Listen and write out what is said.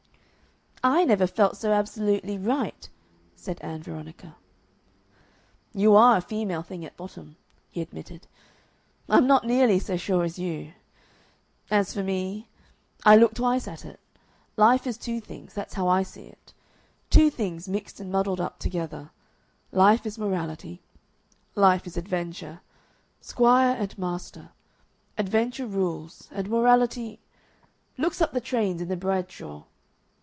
"I never felt so absolutely right," said Ann Veronica. "You ARE a female thing at bottom," he admitted. "I'm not nearly so sure as you. As for me, I look twice at it.... Life is two things, that's how I see it; two things mixed and muddled up together. Life is morality life is adventure. Squire and master. Adventure rules, and morality looks up the trains in the Bradshaw.